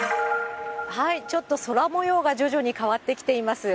ちょっと空もようが徐々に変わってきています。